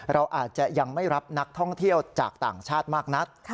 เราอาจจะยังไม่รับนักท่องเที่ยวจากต่างชาติมากนัก